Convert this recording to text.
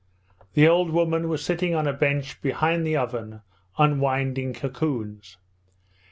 The old woman was sitting on a bench behind the oven unwinding cocoons.